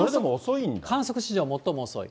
観測史上最も遅い。